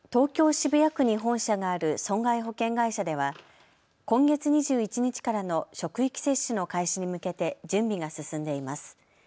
渋谷区に本社がある損害保険会社では今月２１日からの職域接種の開始に向けて準備が進んでいます。